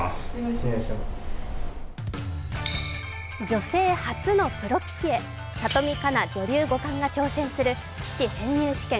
女性初のプロ棋士へ里見香奈女流五冠が挑戦する棋士編入試験